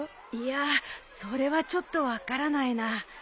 いやそれはちょっと分からないな。